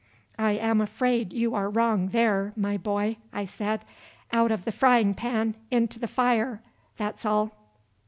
"I am afraid you are wrong there, my boy," I said, "out of the frying pan into the fire, that's all."